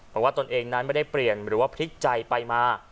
ตนเองนั้นไม่ได้เปลี่ยนหรือว่าพลิกใจไปมา